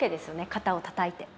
肩をたたいて。